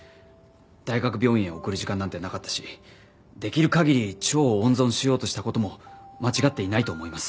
大学病院へ送る時間なんてなかったしできる限り腸を温存しようとした事も間違っていないと思います。